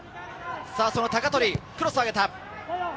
その鷹取、クロスを上げた。